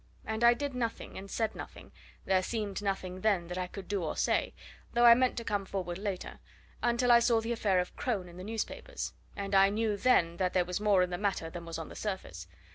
And I did nothing, and said nothing there seemed nothing, then, that I could do or say, though I meant to come forward later until I saw the affair of Crone in the newspapers, and I knew then that there was more in the matter than was on the surface.